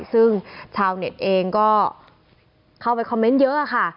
ซึ่งชาวเน็ตเองก็เข้าไปคอมเมนต์เยอะค่ะ